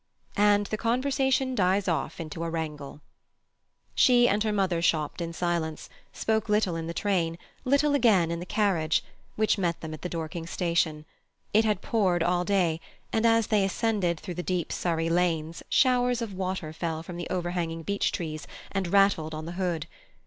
And the conversation died off into a wrangle. She and her mother shopped in silence, spoke little in the train, little again in the carriage, which met them at Dorking Station. It had poured all day and as they ascended through the deep Surrey lanes showers of water fell from the over hanging beech trees and rattled on the hood.